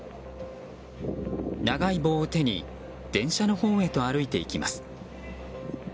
長い棒を手に電車のほうへと歩いていきます。